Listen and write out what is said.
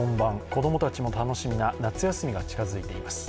子供たちも楽しみな夏休みが近づいています。